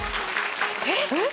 えっ？